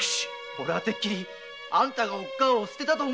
俺はてっきりあんたがおっかぁを捨てたと思い込んで！